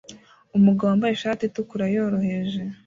Umugabo wambaye ishati itukura yoroheje